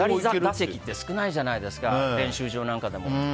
左用のって少ないじゃないですか練習場でも。